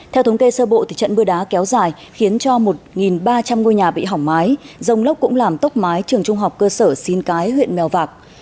theo thống kê sơ bộ trận mưa đá kéo dài khiến cho một ba trăm linh ngôi nhà bị hỏng mái rông lốc cũng làm tốc mái trường trung học cơ sở xin cái huyện mèo vạc